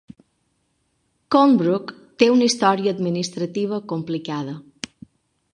Colnbrook té una història administrativa complicada.